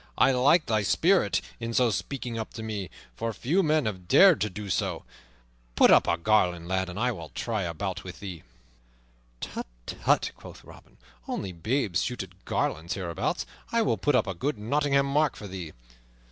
I like thy spirit in so speaking up to me, for few men have dared to do so. Put up a garland, lad, and I will try a bout with thee." "Tut, tut," quoth Robin, "only babes shoot at garlands hereabouts. I will put up a good Nottingham mark for thee."